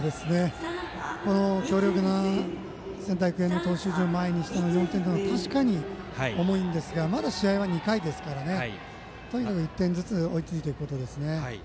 この強力な仙台育英の投手陣を前にして４点は、確かに重いんですがまだ試合は２回ですからとにかく１点ずつ追いついていくことですね。